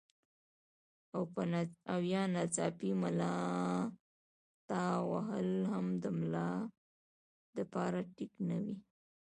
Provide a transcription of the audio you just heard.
او يا ناڅاپي ملا تاوهل هم د ملا د پاره ټيک نۀ وي